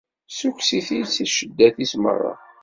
Ssukkes-it-id si cceddat-is merra!